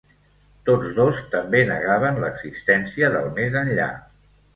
Tots dos també negaven l'existència del més enllà.